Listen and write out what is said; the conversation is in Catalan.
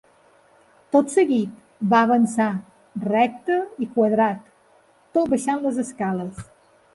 Tot seguit va avançar, recte i quadrat, tot baixant les escales.